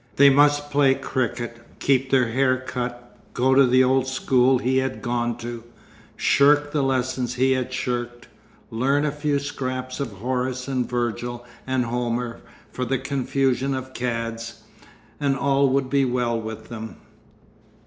They must play cricket, keep their hair cut, go to the old school he had gone to, shirk the lessons he had shirked, learn a few scraps of Horace and Virgil and Homer for the confusion of cads, and all would be well with them....